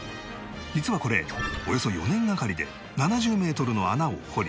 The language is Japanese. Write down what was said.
実はこれおよそ４年がかりで７０メートルの穴を掘り